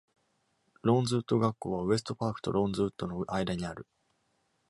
ローンズウッド学校はウエストパークとローンズウッドの間にある。